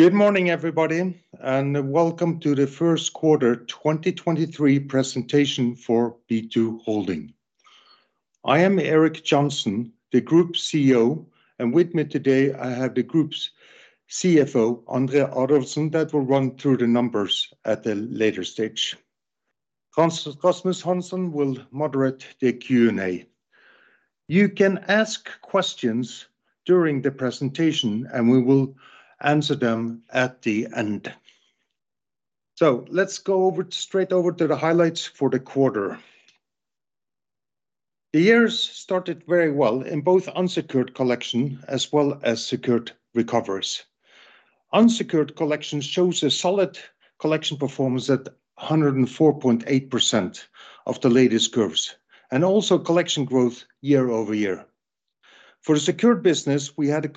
Good morning, everybody, and welcome to the first quarter 2023 presentation for B2 Impact. I am Erik Just Johansen, the Group CEO, and with me today I have the Group CFO, André Adolfsson, that will run through the numbers at a later stage. Rasmus Hansson will moderate the Q&A. You can ask questions during the presentation, and we will answer them at the end. Let's go straight over to the highlights for the quarter. The year's started very well in both unsecured collection as well as secured recoveries. Unsecured collections shows a solid collection performance at 104.8% of the latest curves and also collection growth year-over-year. For the secured business, we had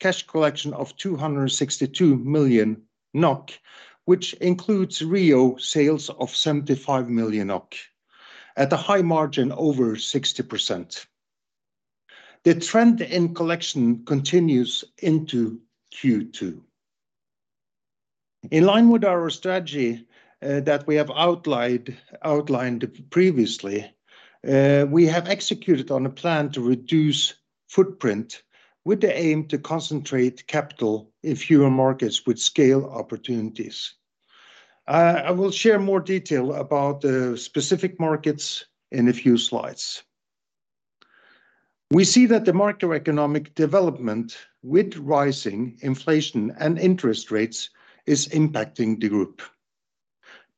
cash collection of 262 million NOK, which includes REO sales of 75 million NOK at a high margin over 60%. The trend in collection continues into Q2. In line with our strategy, that we have outlined previously, we have executed on a plan to reduce footprint with the aim to concentrate capital in fewer markets with scale opportunities. I will share more detail about the specific markets in a few slides. We see that the macroeconomic development with rising inflation and interest rates is impacting the group.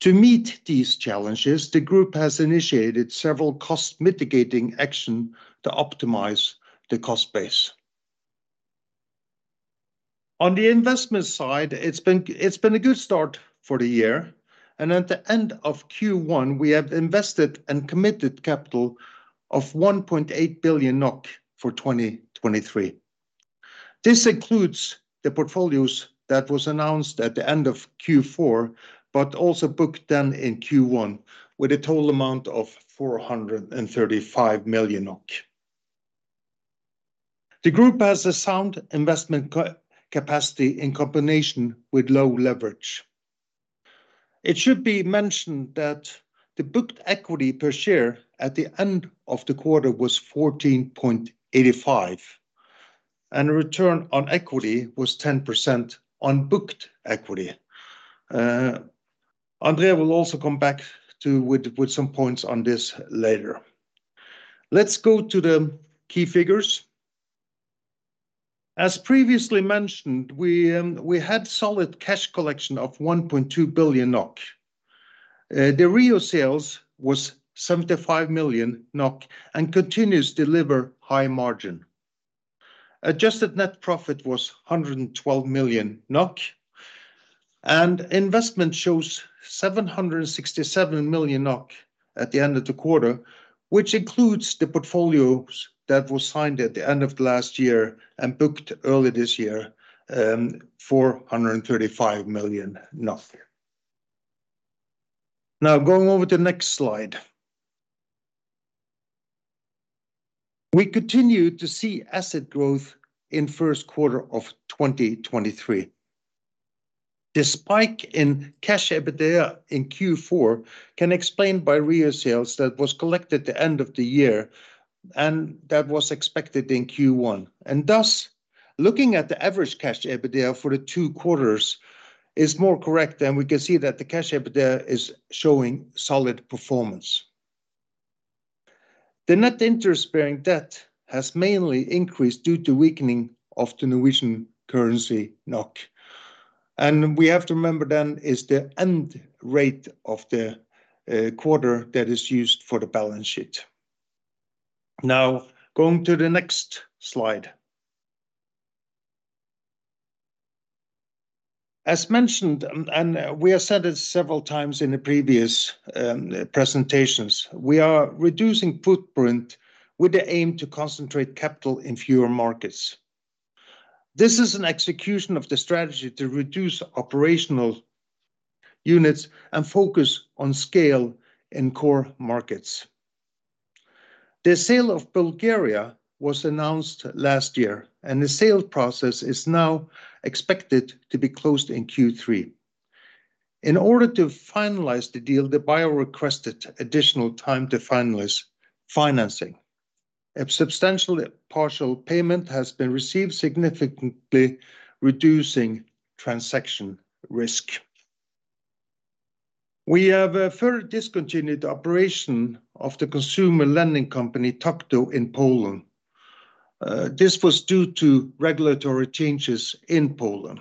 To meet these challenges, the group has initiated several cost mitigating action to optimize the cost base. On the investment side, it's been a good start for the year, and at the end of Q1, we have invested and committed capital of 1.8 billion NOK for 2023. This includes the portfolios that was announced at the end of Q4, but also booked then in Q1 with a total amount of 435 million NOK. The group has a sound investment capacity in combination with low leverage. It should be mentioned that the booked equity per share at the end of the quarter was 14.85, and return on equity was 10% on booked equity. André will also come back with some points on this later. Let's go to the key figures. As previously mentioned, we had solid cash collection of 1.2 billion NOK. The REO sales was 75 million NOK and continues to deliver high margin. Adjusted net profit was 112 million NOK. Investment shows 767 million NOK at the end of the quarter, which includes the portfolios that was signed at the end of last year and booked early this year, 435 million. Now going over to the next slide. We continue to see asset growth in first quarter of 2023. The spike in Cash EBITDA in Q4 can explain by REO sales that was collected the end of the year, and that was expected in Q1. Thus, looking at the average Cash EBITDA for the two quarters is more correct, and we can see that the Cash EBITDA is showing solid performance. The net interest-bearing debt has mainly increased due to weakening of the Norwegian currency NOK. We have to remember then is the end rate of the quarter that is used for the balance sheet. Going to the next slide. As mentioned, and we have said it several times in the previous presentations, we are reducing footprint with the aim to concentrate capital in fewer markets. This is an execution of the strategy to reduce operational units and focus on scale in core markets. The sale of Bulgaria was announced last year. The sales process is now expected to be closed in Q3. In order to finalize the deal, the buyer requested additional time to finalize financing. A substantial partial payment has been received, significantly reducing transaction risk. We have further discontinued operation of the consumer lending company Takto in Poland. This was due to regulatory changes in Poland.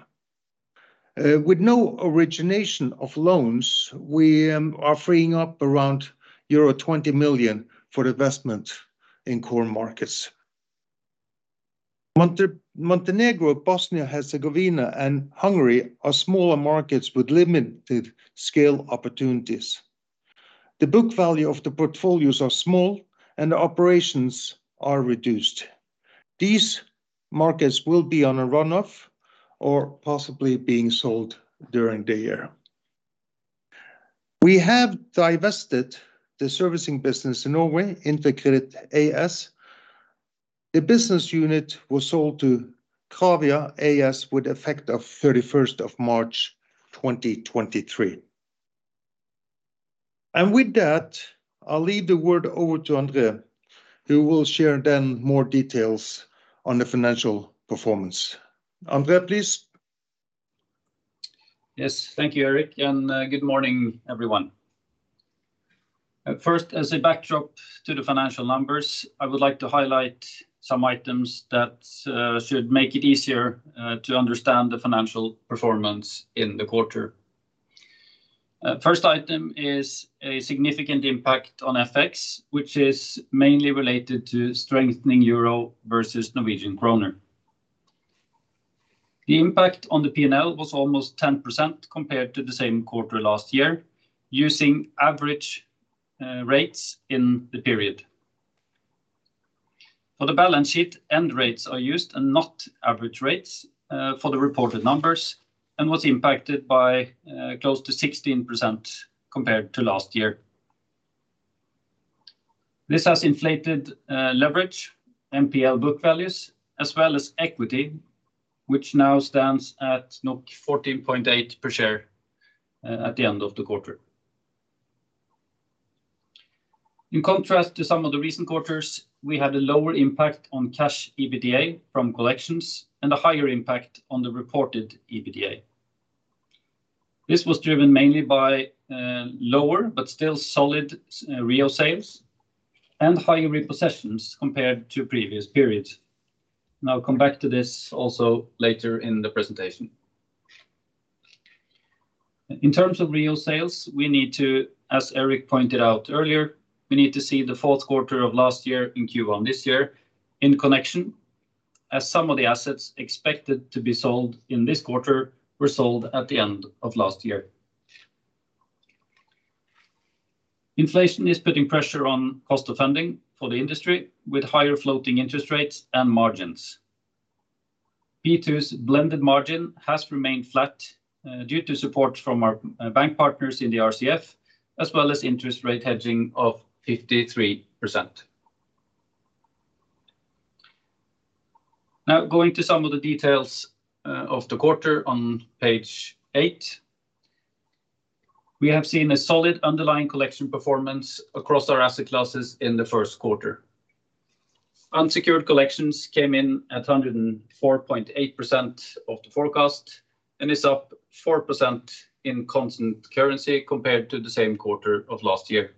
With no origination of loans, we are freeing up around euro 20 million for investment in core markets. Montenegro, Bosnia, Herzegovina, and Hungary are smaller markets with limited scale opportunities. The book value of the portfolios are small, and the operations are reduced. These markets will be on a runoff or possibly being sold during the year. We have divested the servicing business in Norway, Interkreditt AS. The business unit was sold to Kravia AS with effect of 31st of March 2023. With that, I'll leave the word over to Andre, who will share then more details on the financial performance. Andre, please. Yes. Thank you, Erik. Good morning, everyone. First, as a backdrop to the financial numbers, I would like to highlight some items that should make it easier to understand the financial performance in the quarter. First item is a significant impact on FX, which is mainly related to strengthening Euro versus NOK. The impact on the P&L was almost 10% compared to the same quarter last year using average rates in the period. For the balance sheet, end rates are used and not average rates for the reported numbers and was impacted by close to 16% compared to last year. This has inflated leverage, NPL book values, as well as equity, which now stands at 14.8 per share at the end of the quarter. In contrast to some of the recent quarters, we had a lower impact on Cash EBITDA from collections and a higher impact on the reported EBITDA. This was driven mainly by lower but still solid REO sales and higher repossessions compared to previous periods. I'll come back to this also later in the presentation. In terms of REO sales we need to, as Erik pointed out earlier, we need to see the 4th quarter of last year and Q1 this year in connection, as some of the assets expected to be sold in this quarter were sold at the end of last year. Inflation is putting pressure on cost of funding for the industry with higher floating interest rates and margins. B2's blended margin has remained flat due to support from our bank partners in the RCF as well as interest rate hedging of 53%. Going to some of the details of the quarter on page eight. We have seen a solid underlying collection performance across our asset classes in the first quarter. Unsecured collections came in at 104.8% of the forecast and is up 4% in constant currency compared to the same quarter of last year.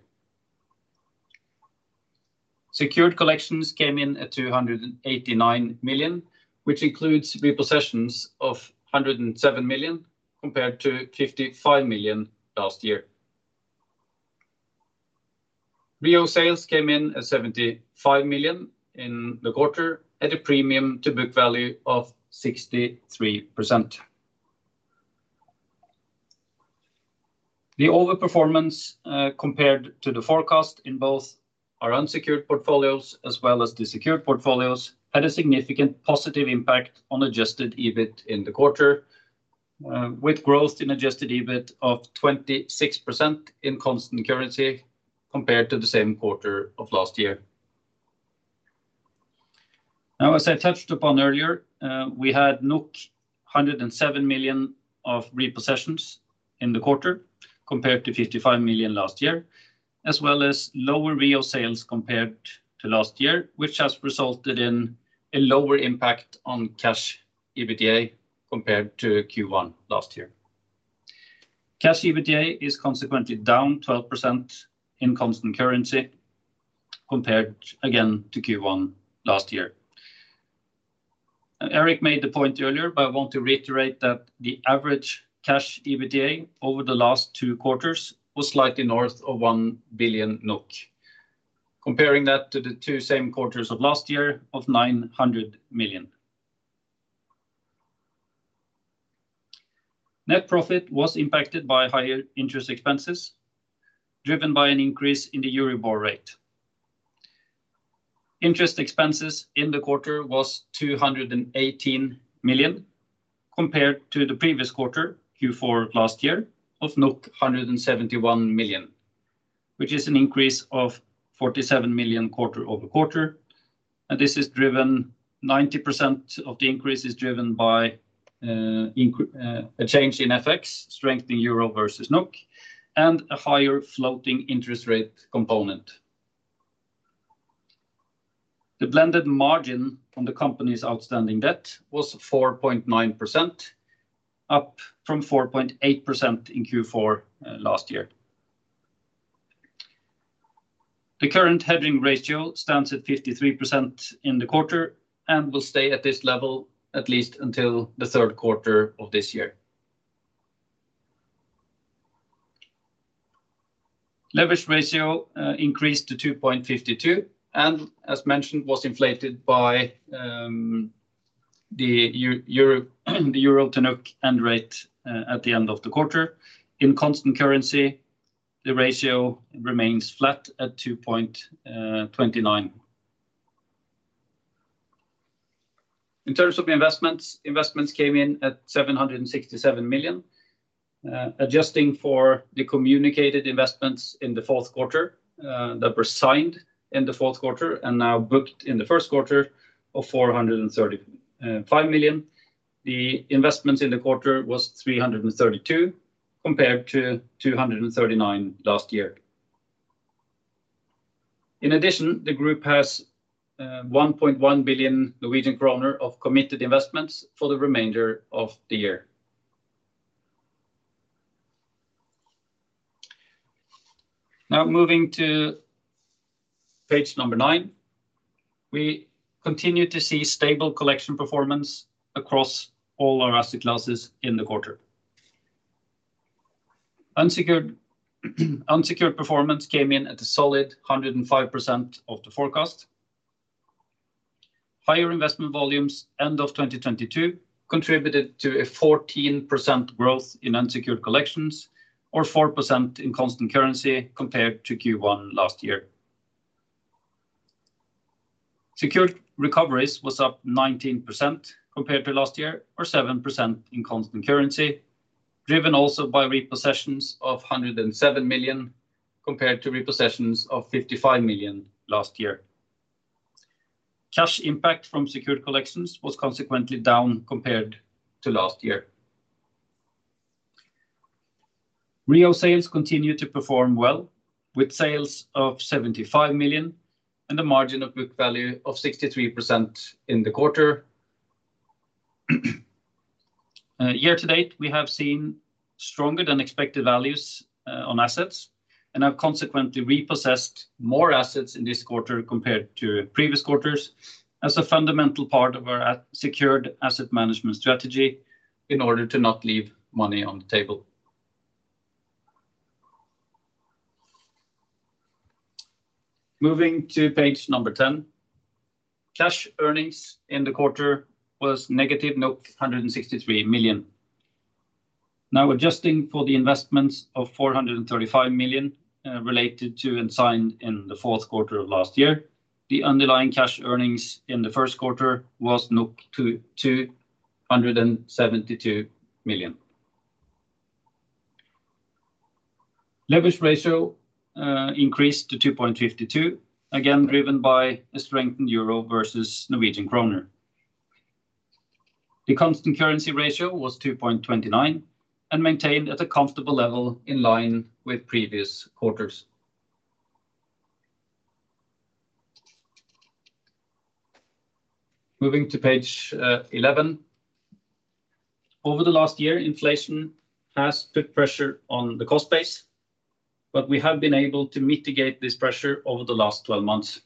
Secured collections came in at 289 million, which includes repossessions of 107 million compared to 55 million last year. REO sales came in at 75 million in the quarter at a premium to book value of 63%. The overperformance, compared to the forecast in both our unsecured portfolios as well as the secured portfolios had a significant positive impact on Adjusted EBIT in the quarter, with growth in Adjusted EBIT of 26% in constant currency compared to the same quarter of last year. As I touched upon earlier, we had 107 million of repossessions in the quarter compared to 55 million last year, as well as lower REO sales compared to last year, which has resulted in a lower impact on Cash EBITDA compared to Q1 last year. Cash EBITDA is consequently down 12% in constant currency compared again to Q1 last year. Erik made the point earlier, but I want to reiterate that the average Cash EBITDA over the last two quarters was slightly north of 1 billion NOK, comparing that to the two same quarters of last year of 900 million. Net profit was impacted by higher interest expenses driven by an increase in the Euribor rate. Interest expenses in the quarter was 218 million compared to the previous quarter, Q4 last year, of 171 million, which is an increase of 47 million quarter-over-quarter. 90% of the increase is driven by a change in FX strengthening EUR versus NOK and a higher floating interest rate component. The blended margin from the company's outstanding debt was 4.9%, up from 4.8% in Q4 last year. The current hedging ratio stands at 53% in the quarter and will stay at this level at least until the third quarter of this year. Leverage ratio increased to 2.52, and as mentioned, was inflated by the Euro to NOK end rate at the end of the quarter. In constant currency, the ratio remains flat at 2.29%. In terms of investments came in at 767 million. Adjusting for the communicated investments in the fourth quarter that were signed in the fourth quarter and now booked in the first quarter of 435 million. The investments in the quarter was 332 compared to 239 last year. In addition, the group has 1.1 billion Norwegian kroner of committed investments for the remainder of the year. Moving to page number 9. We continue to see stable collection performance across all our asset classes in the quarter. Unsecured performance came in at a solid 105% of the forecast. Higher investment volumes end of 2022 contributed to a 14% growth in unsecured collections or 4% in constant currency compared to Q1 last year. Secured recoveries was up 19% compared to last year or 7% in constant currency, driven also by repossessions of 107 million compared to repossessions of 55 million last year. Cash impact from secured collections was consequently down compared to last year. REO sales continue to perform well, with sales of 75 million and a margin of book value of 63% in the quarter. Year to date, we have seen stronger than expected values on assets and have consequently repossessed more assets in this quarter compared to previous quarters as a fundamental part of our secured asset management strategy in order to not leave money on the table. Moving to page number 10. Cash earnings in the quarter was negative 163 million. Now adjusting for the investments of 435 million, related to and signed in the fourth quarter of last year, the underlying cash earnings in the first quarter was 272 million. Leverage ratio increased to 2.52, again driven by a strengthened euro versus Norwegian kroner. The constant currency ratio was 2.29 and maintained at a comfortable level in line with previous quarters. Moving to page 11. Over the last year, inflation has put pressure on the cost base, but we have been able to mitigate this pressure over the last 12 months.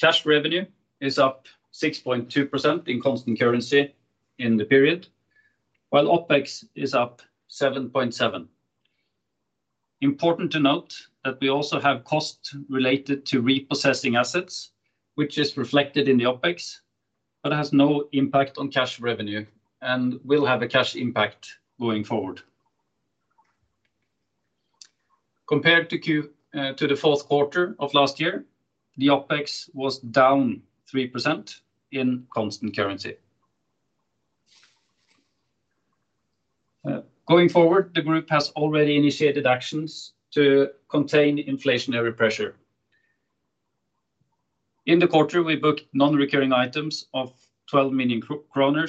Cash revenue is up 6.2% in constant currency in the period, while OpEx is up 7.7%. Important to note that we also have costs related to repossessing assets, which is reflected in the OpEx, but has no impact on cash revenue and will have a cash impact going forward. Compared to the fourth quarter of last year, the OpEx was down 3% in constant currency. Going forward, the group has already initiated actions to contain inflationary pressure. In the quarter, we booked non-recurring items of 12 million kroner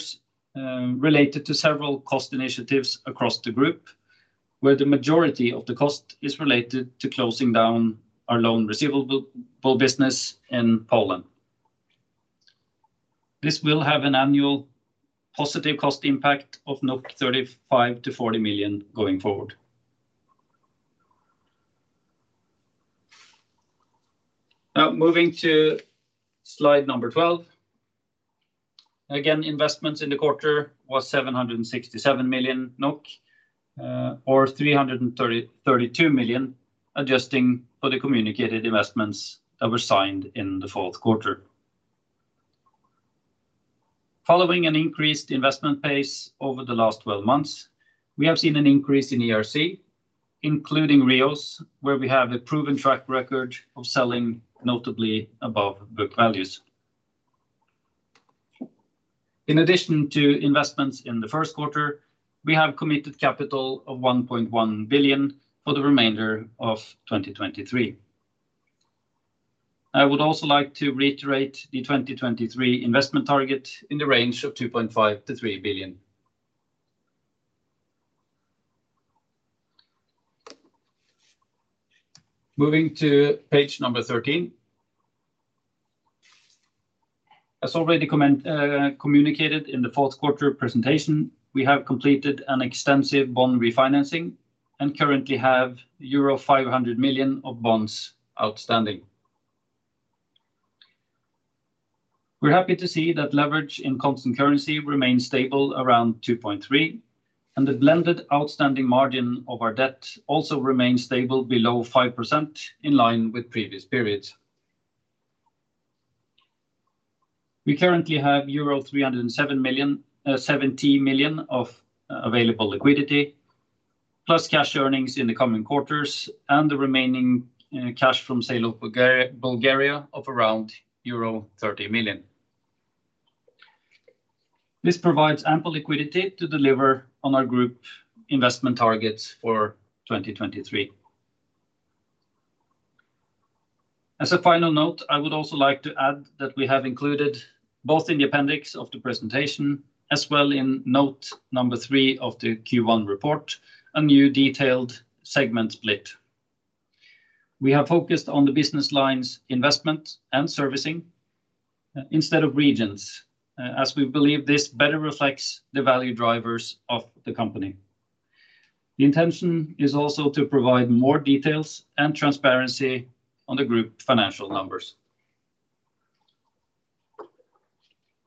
related to several cost initiatives across the group, where the majority of the cost is related to closing down our loan receivable business in Poland. This will have an annual positive cost impact of 35 million-40 million going forward. Moving to slide number 12. Investments in the quarter was 767 million NOK, or 332 million, adjusting for the communicated investments that were signed in the fourth quarter. Following an increased investment pace over the last 12 months, we have seen an increase in ERC, including REOs, where we have a proven track record of selling notably above book values. In addition to investments in the first quarter, we have committed capital of 1.1 billion for the remainder of 2023. I would also like to reiterate the 2023 investment target in the range of 2.5 billion-3 billion. Moving to page number 13. As already communicated in the fourth quarter presentation, we have completed an extensive bond refinancing and currently have euro 500 million of bonds outstanding. We're happy to see that leverage in constant currency remains stable around 2.3, and the blended outstanding margin of our debt also remains stable below 5% in line with previous periods. We currently have 70 million of available liquidity plus cash earnings in the coming quarters and the remaining cash from sale of Bulgaria of around euro 30 million. This provides ample liquidity to deliver on our group investment targets for 2023. As a final note, I would also like to add that we have included both in the appendix of the presentation as well in note number three of the Q1 report, a new detailed segment split. We have focused on the business lines investment and servicing, instead of regions, as we believe this better reflects the value drivers of the company. The intention is also to provide more details and transparency on the group financial numbers.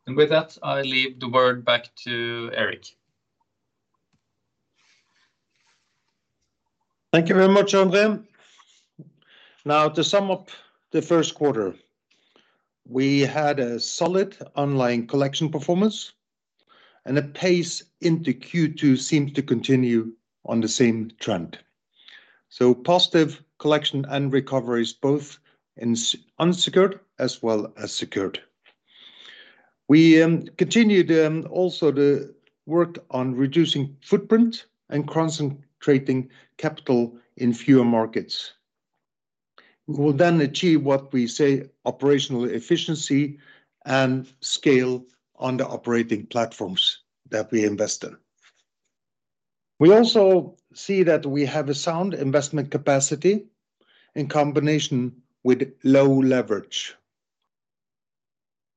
With that, I leave the word back to Erik. Thank you very much, André. To sum up the first quarter, we had a solid online collection performance and the pace into Q2 seems to continue on the same trend. Positive collection and recoveries both in unsecured as well as secured. We continued also the work on reducing footprint and concentrating capital in fewer markets. We will then achieve what we say operational efficiency and scale on the operating platforms that we invest in. We also see that we have a sound investment capacity in combination with low leverage.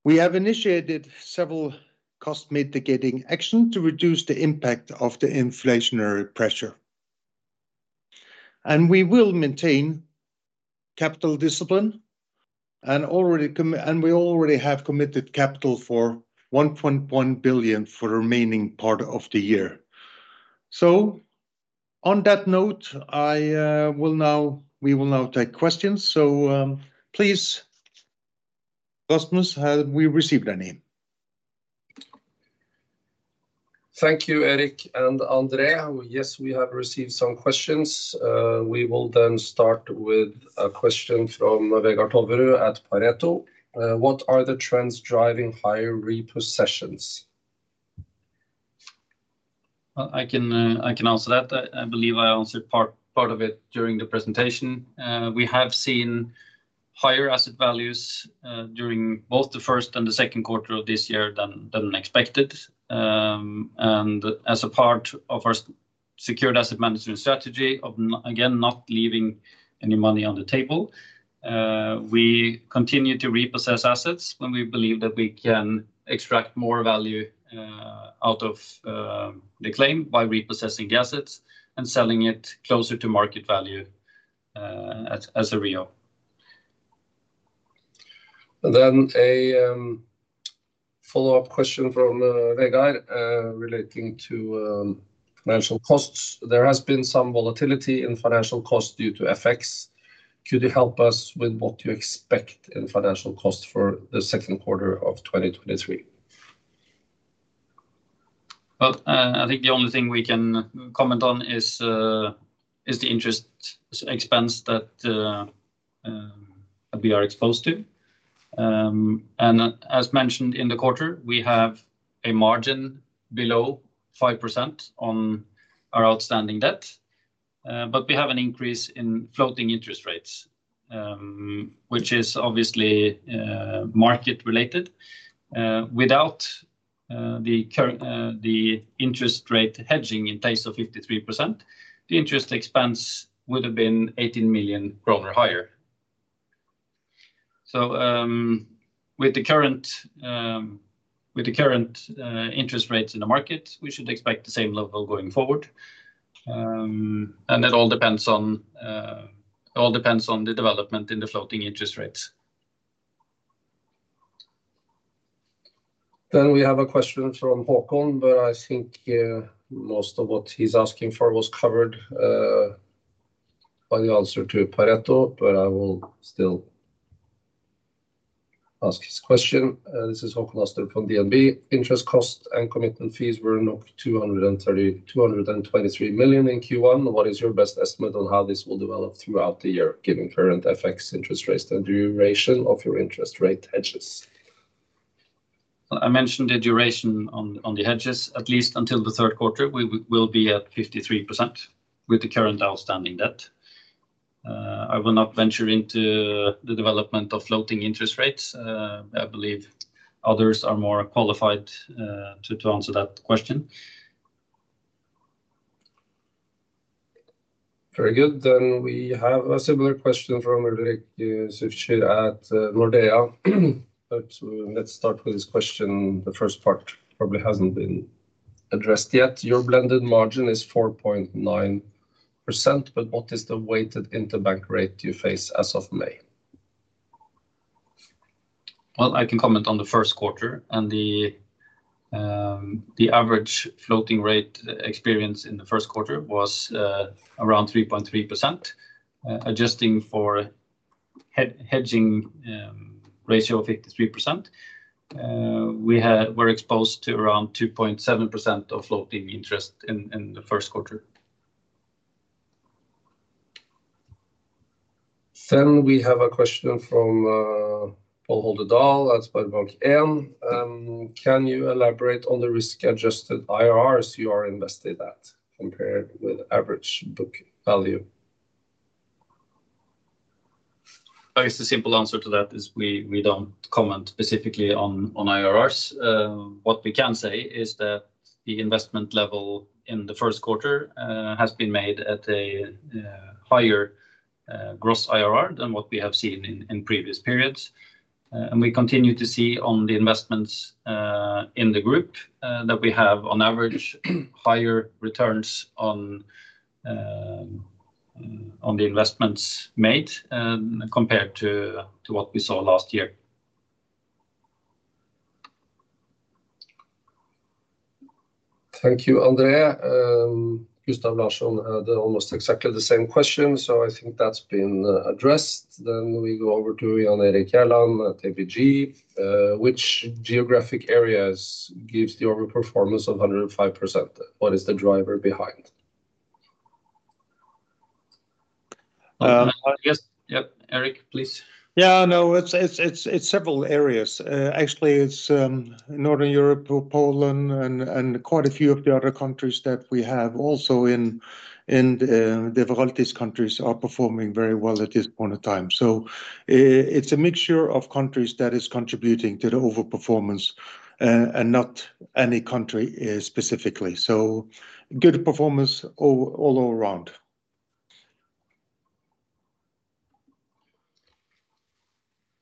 We have initiated several cost mitigating action to reduce the impact of the inflationary pressure. We will maintain capital discipline and we already have committed capital for 1.1 billion for remaining part of the year. On that note, I will now take questions. Please, Rasmus, have we received any? Thank you, Erik and André. We have received some questions. We will then start with a question from Vegard Tveit at Pareto. What are the trends driving higher repossessions? I can answer that. I believe I answered part of it during the presentation. We have seen higher asset values during both the first and the second quarter of this year than expected. As a part of our secured asset management strategy of not leaving any money on the table, we continue to repossess assets when we believe that we can extract more value out of the claim by repossessing assets and selling it closer to market value, as a REO. A follow-up question from Vegard relating to financial costs. There has been some volatility in financial costs due to FX. Could you help us with what you expect in financial costs for the second quarter of 2023? Well, I think the only thing we can comment on is the interest expense that we are exposed to. As mentioned in the quarter, we have a margin below 5% on our outstanding debt, but we have an increase in floating interest rates, which is obviously market related. Without the current interest rate hedging in place of 53%, the interest expense would have been 18 million kroner higher. With the current interest rates in the market, we should expect the same level going forward. That all depends on the development in the floating interest rates. We have a question from Håkon. I think most of what he's asking for was covered by the answer to Pareto, but I will still ask his question. This is Håkon Astrup from DNB. Interest cost and commitment fees were now 223 million in Q1. What is your best estimate on how this will develop throughout the year, given current FX interest rates and duration of your interest rate hedges? I mentioned the duration on the hedges, at least until the third quarter we will be at 53% with the current outstanding debt. I will not venture into the development of floating interest rates. I believe others are more qualified to answer that question. Very good. We have a similar question from Ulrik Zürcher at Nordea. Let's start with this question. The first part probably hasn't been addressed yet. Your blended margin is 4.9%, but what is the weighted interbank rate you face as of May? I can comment on the first quarter and the average floating rate experience in the first quarter was around 3.3%. Adjusting for hedging, ratio of 53%. We're exposed to around 2.7% of floating interest in the first quarter. We have a question from Pål Ringholm at SpareBank 1. Can you elaborate on the risk-adjusted IRRs you are invested at compared with average book value? I guess the simple answer to that is we don't comment specifically on IRRs. What we can say is that the investment level in the first quarter has been made at a higher gross IRR than what we have seen in previous periods. We continue to see on the investments in the group that we have on average higher returns on the investments made compared to what we saw last year. Thank you, André. Gustav Larson had almost exactly the same question, so I think that's been addressed. We go over to Jan Erik Gjerland at ABG. Which geographic areas gives the overperformance of 105%? What is the driver behind? Uh- Yes. Yep, Erik, please. Yeah, no, it's several areas. Actually it's Northern Europe, Poland, and quite a few of the other countries that we have also in the Baltics countries are performing very well at this point in time. It's a mixture of countries that is contributing to the overperformance, and not any country specifically. Good performance all around.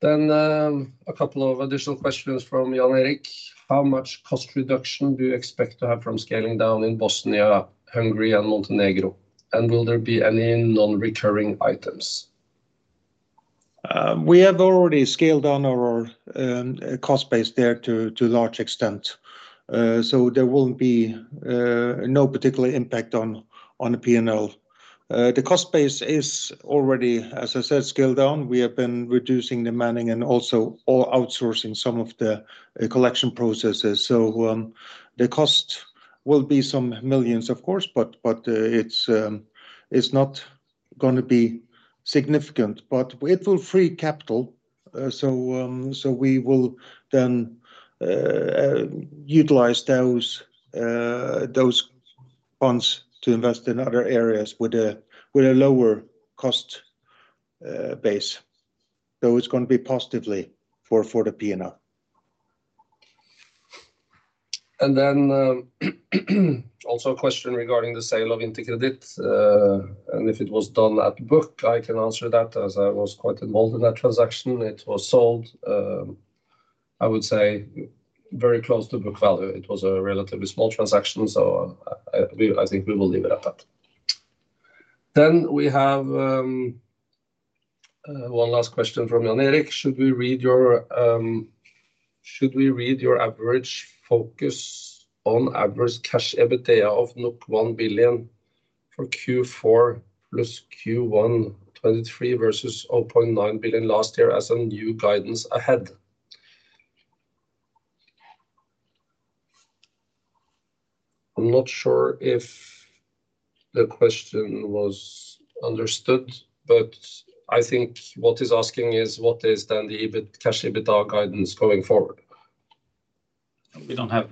A couple of additional questions from Jan Erik. How much cost reduction do you expect to have from scaling down in Bosnia, Hungary and Montenegro? Will there be any non-recurring items? We have already scaled down our cost base there to large extent. There won't be no particular impact on the P&L. The cost base is already, as I said, scaled down. We have been reducing the manning and also outsourcing some of the collection processes. The cost will be some millions, of course, but it's not gonna be significant. It will free capital, so we will then utilize those funds to invest in other areas with a lower cost base. It's going to be positively for the P&L. Also a question regarding the sale of Interkreditt AS, and if it was done at book. I can answer that, as I was quite involved in that transaction. It was sold, I would say very close to book value. It was a relatively small transaction, so I think we will leave it at that. We have one last question from Jan Erik. Should we read your, should we read your average focus on adverse Cash EBITDA of 1 billion for Q4 plus Q1 2023 versus 0.9 billion last year as a new guidance ahead? I'm not sure if the question was understood, I think what he's asking is what is then the Cash EBITDA guidance going forward. We don't have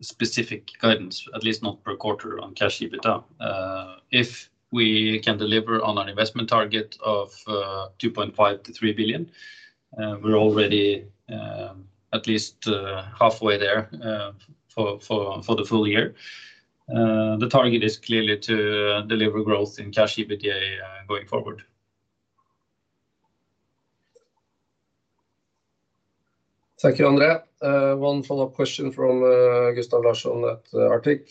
specific guidance, at least not per quarter on Cash EBITDA. If we can deliver on an investment target of 2.5 billion- 3 billion, we're already, at least, halfway there, for the full year. The target is clearly to deliver growth in Cash EBITDA, going forward. Thank you, Andre. One follow-up question from Gustav Larsson at Arctic.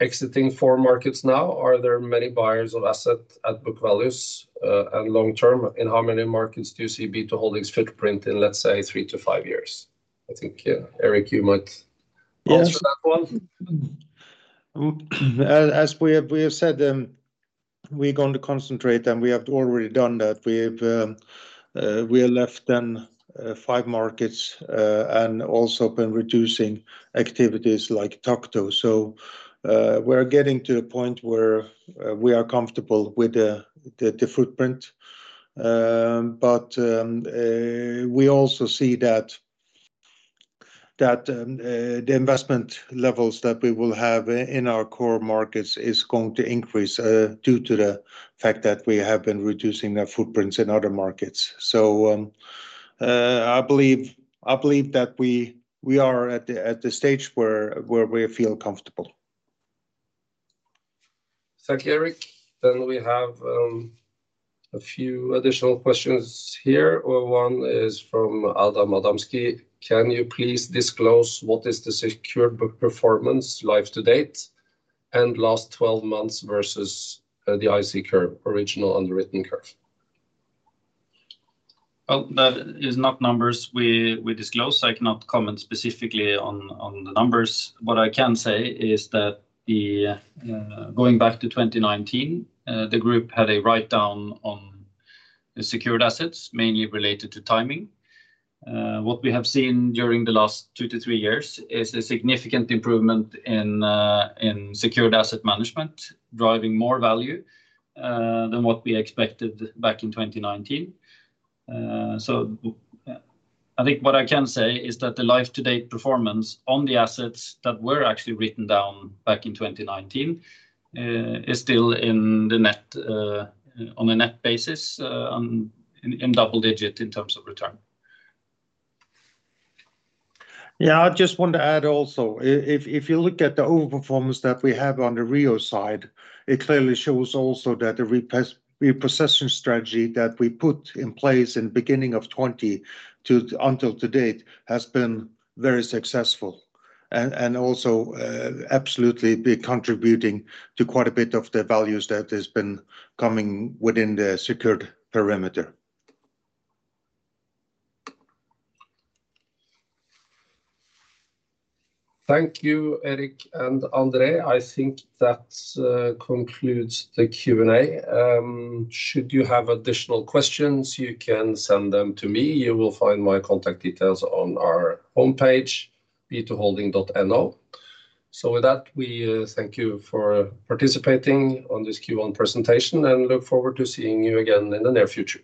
Exiting four markets now, are there many buyers of asset at book values, and long term, in how many markets do you see B2 Impact's footprint in, let's say, three to five years? I think, Erik, you might- Yes... answer that one. As we have said, we're going to concentrate, and we have already done that. We left then, 5 markets, and also been reducing activities like Takto. We're getting to a point where we are comfortable with the footprint. We also see that the investment levels that we will have in our core markets is going to increase due to the fact that we have been reducing the footprints in other markets. I believe that we are at the stage where we feel comfortable. Thank you, Erik. We have a few additional questions here. One is from Áron Szabó: Can you please disclose what is the secured book performance live to date and last 12 months versus the Indifference Curve, original underwritten curve? That is not numbers we disclose, so I cannot comment specifically on the numbers. What I can say is that the going back to 2019, the group had a write-down on the secured assets, mainly related to timing. What we have seen during the last two-three years is a significant improvement in secured asset management, driving more value than what we expected back in 2019. I think what I can say is that the life-to-date performance on the assets that were actually written down back in 2019, is still in the net, on a net basis, in double-digit in terms of return. Yeah, I just want to add also, if you look at the overperformance that we have on the REO side, it clearly shows also that the reprocessing strategy that we put in place in beginning of 2020 until to date has been very successful and also absolutely contributing to quite a bit of the values that has been coming within the secured perimeter. Thank you, Erik and André. I think that concludes the Q&A. Should you have additional questions, you can send them to me. You will find my contact details on our homepage, b2-impact.com. With that, we thank you for participating on this Q1 presentation, and look forward to seeing you again in the near future.